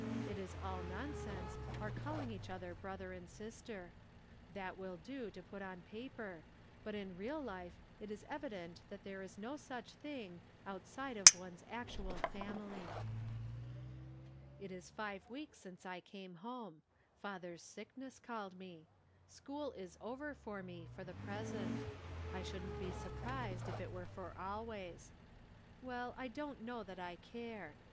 It is all nonsense, our calling each other brother and sister. That will do to put on paper, but in real life it is evident that there is no such thing, out side of one's actual family. It is five weeks since I came home. Father's sickness called me. School is over for me, for the present ; I shouldn't be surprised if it were for always. Well, I don't know that I care.